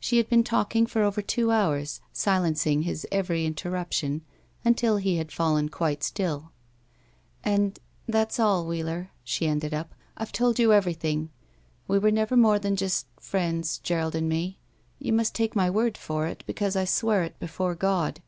She had been talking for over two hours, silencing his every interruption until he had fallen quite still. And — ^and that's all, Wheder," she ended up. I've told you everything. We were never more than just — ^friends — Gerald and me. You must take my word for it, because I swear it before God."